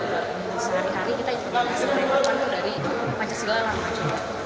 jadi sehari hari kita itu masih berkembang dari pancasila langsung